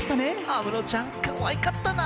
安室ちゃん、かわいかったな。